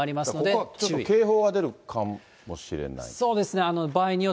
ここは警報が出るかもしれない？